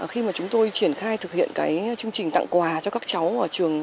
khi mà chúng tôi triển khai thực hiện cái chương trình tặng quà cho các cháu